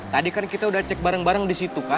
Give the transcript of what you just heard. tadi kan kita udah cek bareng bareng di situ kan